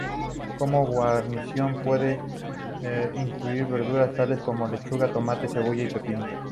Como guarnición pueden incluirse verduras, tales como lechuga, tomate, cebolla y pepinillos.